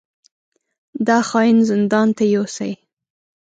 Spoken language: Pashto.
دا خاين زندان ته يوسئ!